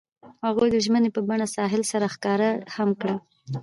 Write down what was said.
هغوی د ژمنې په بڼه ساحل سره ښکاره هم کړه.